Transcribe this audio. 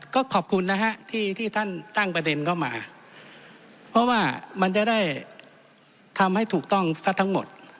ก็ขอบคุณนะฮะที่ท่านตั้งประเด็นเข้ามาเพราะว่ามันจะได้ทำให้ถูกต้องซะทั้งหมด